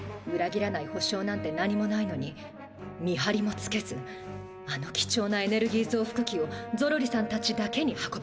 切らないほしょうなんて何もないのに見はりもつけずあの貴重なエネルギーぞうふくきをゾロリさんたちだけに運ばせるなんて。